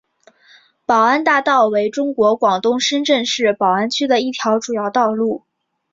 宝安大道为中国广东深圳市宝安区的一条主要道路。